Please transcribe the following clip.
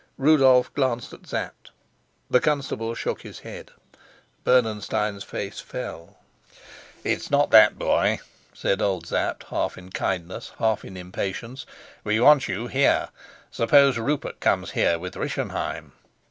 Rudolf glanced at Sapt. The constable shook his head. Bernenstein's face fell. "It's not that, boy," said old Sapt, half in kindness, half in impatience. "We want you here. Suppose Rupert comes here with Rischenheim!"